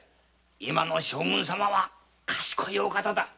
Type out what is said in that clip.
今の将軍様は賢いお方だ。